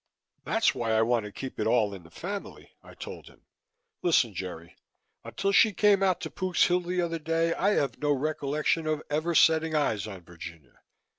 "That's why I want to keep it all in the family," I told him. "Listen, Jerry, until she came out to Pook's Hill the other day I have no recollection of ever setting eyes on Virginia.